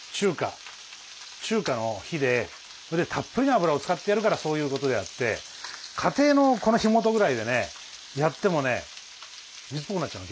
中華の火でたっぷりの油を使ってやるからそういうことであって家庭のこの火元ぐらいでねやってもね水っぽくなっちゃうの逆に。